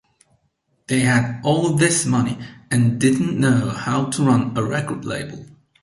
They had all this money and didn't know how to run a record label.